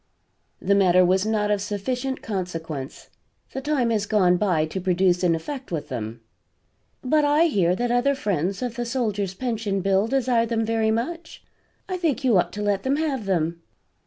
"The matter was not of sufficient consequence. The time was gone by to produce an effect with them." "But I hear that other friends of the Soldiers' Pension Bill desire them very much. I think you ought to let them have them."